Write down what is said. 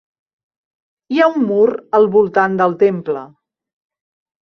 Hi ha un mur al voltant del temple.